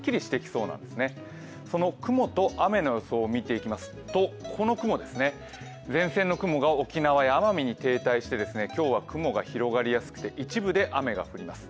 その雲と雨の予想を見ていきますとこの雲です、前線の雲が沖縄や奄美に停滞して今日は雲が広がりやすくて一部で雨が降ります。